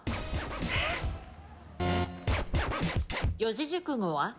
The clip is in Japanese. へっ⁉四字熟語は？